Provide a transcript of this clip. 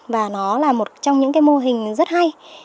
và nó là một trong những mô hình rất hay